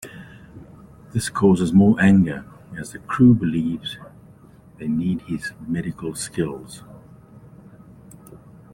This causes more anger, as the crew believes they need his medical skills.